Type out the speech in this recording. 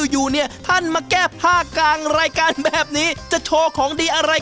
อยู่เนี่ยท่านมาแก้ผ้ากลางรายการแบบนี้จะโชว์ของดีอะไร